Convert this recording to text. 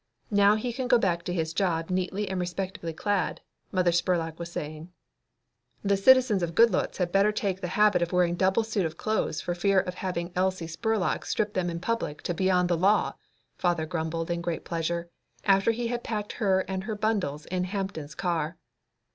Now he can go back to his job neatly and respectably clad," Mother Spurlock was saying. "The citizens of Goodloets had better take the habit of wearing a double suit of clothing for fear of having Elsie Spurlock strip them in public to beyond the law," father grumbled in great pleasure, after he had packed her and her bundles in Hampton's car.